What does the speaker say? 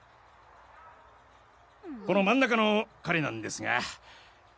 この真ん中の彼なんですが。